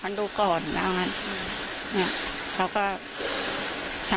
โน้ท